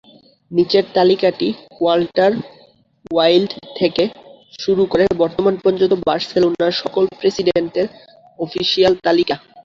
নিচের তালিকাটি Walter Wilde থেকে শুরু করে বর্তমান পর্যন্ত বার্সেলোনার সকল প্রেসিডেন্টের অফিসিয়াল তালিকা।